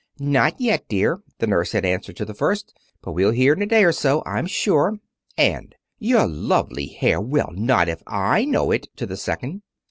"Not yet, dear," the nurse had answered to the first, "but we'll hear in a day or so, I'm sure." And, "Your lovely hair! Well, not if I know it!" to the second.